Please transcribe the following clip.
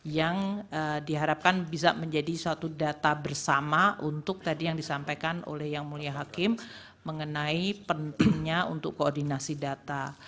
yang diharapkan bisa menjadi satu data bersama untuk tadi yang disampaikan oleh yang mulia hakim mengenai pentingnya untuk koordinasi data